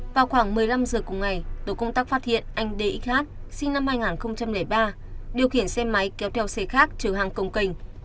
vào khoảng một mươi năm giờ cùng ngày tổ công tác phát hiện anh d ít sinh năm hai nghìn ba điều khiển xe máy kéo theo xe khác chờ hàng công kênh